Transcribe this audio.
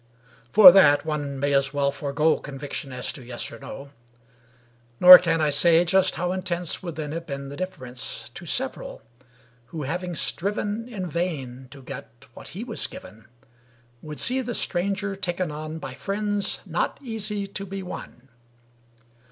For that, one may as well forego Conviction as to yes or no; Nor can I say just how intense Would then have been the difference To several, who, having striven In vain to get what he was given, Would see the stranger taken on By friends not easy to be won.